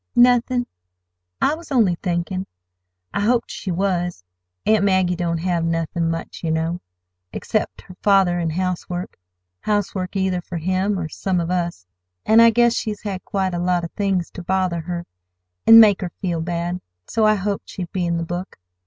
"Nothin'. I was only thinkin'. I hoped she was. Aunt Maggie don't have nothin' much, yer know, except her father an' housework—housework either for him or some of us. An' I guess she's had quite a lot of things ter bother her, an' make her feel bad, so I hoped she'd be in the book.